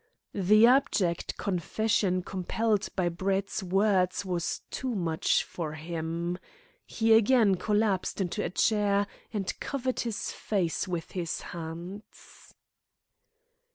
The abject confession compelled by Brett's words was too much for him. He again collapsed into a chair and covered his face with his hands.